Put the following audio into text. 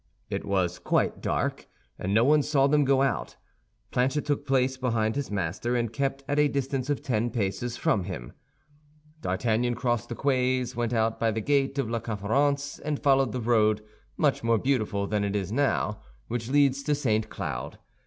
It was quite dark, and no one saw them go out. Planchet took place behind his master, and kept at a distance of ten paces from him. D'Artagnan crossed the quays, went out by the gate of La Conférence and followed the road, much more beautiful then than it is now, which leads to St. Cloud.